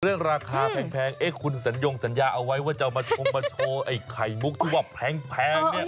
เรื่องราคาแพงเอ๊ะคุณสัญญงสัญญาเอาไว้ว่าจะเอามาชงมาโชว์ไอ้ไข่มุกที่ว่าแพงเนี่ย